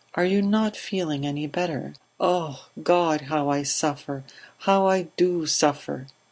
Are you not feeling any better?" "Ah God, how I suffer! How I do suffer!